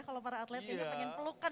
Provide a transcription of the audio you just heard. kalau para atlet ingin pelukan